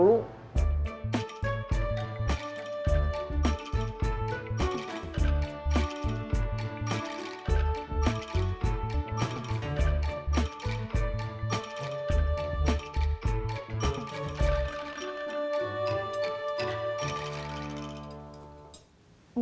suka kamu mah salah paham aja